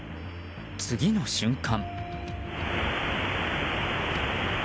次の瞬間。